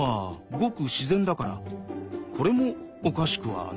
ごく自然だからこれもおかしくはないよな。